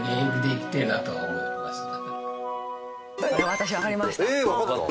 私わかりました。